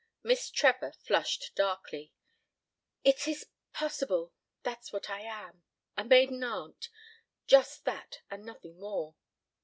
Miss Trevor flushed darkly. "It is possible. ... That's what I am a maiden aunt. Just that and nothing more."